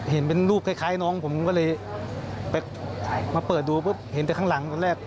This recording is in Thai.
เห็นเป็นรูปคล้ายน้องผมก็เลยไปมาเปิดดูปุ๊บเห็นแต่ข้างหลังตอนแรก